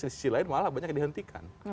di sisi lain malah banyak yang dihentikan